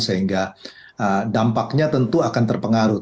sehingga dampaknya tentu akan terpengaruh